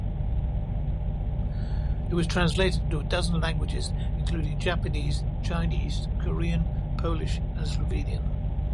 It was translated into a dozen languages including Japanese, Chinese, Korean, Polish and Slovenian.